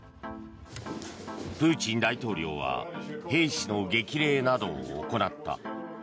プーチン大統領は兵士の激励などを行った。